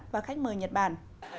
và khách mời nhật bản